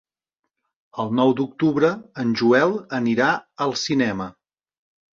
El nou d'octubre en Joel anirà al cinema.